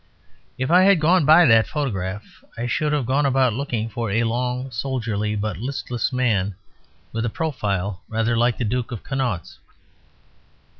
If I had gone by that photograph I should have gone about looking for a long soldierly but listless man, with a profile rather like the Duke of Connaught's.